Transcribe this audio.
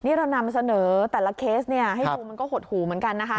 นี่เรานำเสนอแต่ละเคสเนี่ยให้ดูมันก็หดหูเหมือนกันนะคะ